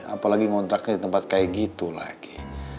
apalagi ngontraknya di tempat kayak gitu lagi